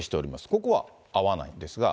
ここは合わないんですが。